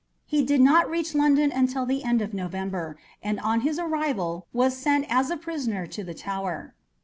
He did not reach London until the end of November, and on his arrival was sent as a prisoner to the Tower.